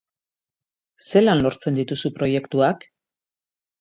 Zelan lortzen dituzu proiektuak?